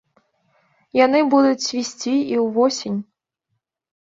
Яны будуць цвісці і ўвосень.